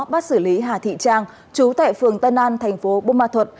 bắt xử lý hà thị trang chú tại phường tân an thành phố bô ma thuật